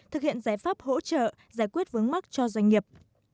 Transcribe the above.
thực hiện giải pháp hỗ trợ giải quyết vướng mắc cho doanh nghiệp